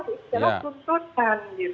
itu adalah tuntutan